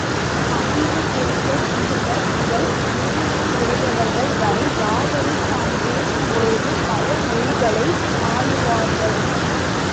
அறிவு தெரிந்த சிறுவர் முதல் முதுமை உடையவர்கள் வரை யாவரும் தாம் பேசும் பொழுது பழமொழிகளை ஆளுவார்கள்.